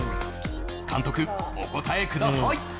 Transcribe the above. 監督お答えください